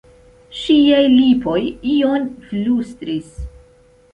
Ŝiaj lipoj ion flustris.